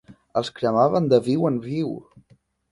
Els cremaven de viu en viu!